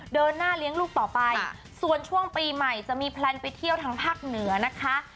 เดินหน้าเลี้ยงลูกต่อไปส่วนช่วงปีใหม่จะมีแพลนไปเที่ยวทางภาคเหนือนะคะ